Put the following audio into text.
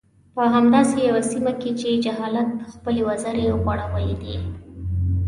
په همداسې يوه سيمه کې چې جهالت خپلې وزرې غوړولي دي.